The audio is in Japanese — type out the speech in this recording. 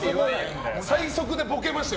最速でボケましたよ